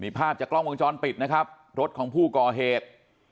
ภาพจากกล้องวงจรปิดนะครับรถของผู้ก่อเหตุ